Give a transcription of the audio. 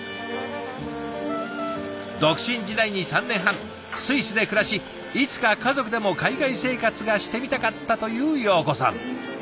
独身時代に３年半スイスで暮らしいつか家族でも海外生活がしてみたかったという洋子さん。